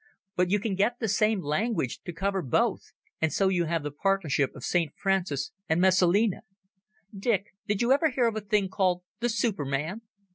But you can get the same language to cover both. And so you have the partnership of St Francis and Messalina. Dick, did you ever hear of a thing called the Superman?"